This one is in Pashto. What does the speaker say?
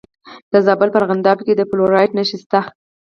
د زابل په ارغنداب کې د فلورایټ نښې شته.